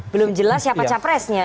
belum jelas siapa capresnya